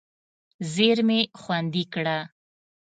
زېرمې خوندي کړه.